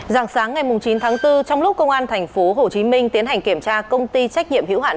giảng sáng ngày chín tháng bốn trong lúc công an tp hcm tiến hành kiểm tra công ty trách nhiệm hữu hạn